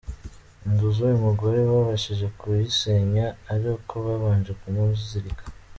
Inzu y’uyu mugore babashije kuyisenya ari uko babanje kumuzirika.